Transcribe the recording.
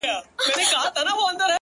• صدقه دي تر تقوا او تر سخا سم،